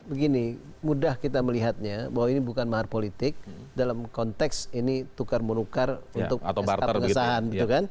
begini mudah kita melihatnya bahwa ini bukan mahar politik dalam konteks ini tukar menukar untuk sk pengesahan